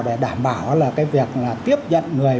để đảm bảo việc tiếp nhận người